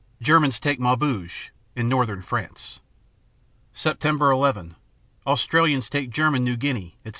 7 Germans take Maubeuge, in northern France. Sept. 11 Australians take German New Guinea, etc.